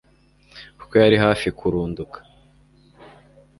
kuko yari hafi kurunduka